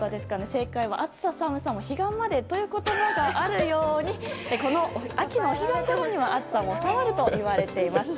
正解は暑さも寒さも彼岸までという言葉があるように秋のお彼岸ごろには暑さも収まるといわれています。